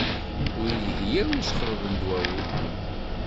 Ur ilhi ara usexleḍ n ddwawi.